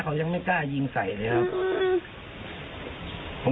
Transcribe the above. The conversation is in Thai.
เขายังไม่กล้ายิงใส่เลยครับ